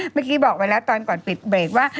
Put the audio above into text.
เมื่อกี้บอกไว้แล้วตอนก่อนปิดเบรกว่า